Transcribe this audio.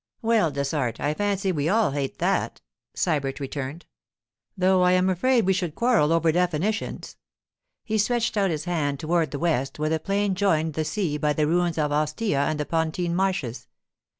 'Well, Dessart, I fancy we all hate that,' Sybert returned. 'Though I am afraid we should quarrel over definitions.' He stretched out his hand toward the west, where the plain joined the sea by the ruins of Ostia and the Pontine Marshes.